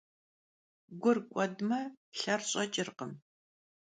Gur k'uedme, lher ş'eç'ırkhım.